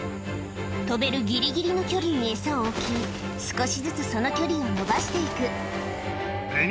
飛べるギリギリの距離にエサを置き少しずつその距離をのばしていくフンとともに。